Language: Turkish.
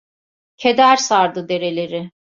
Keder sardı dereleri.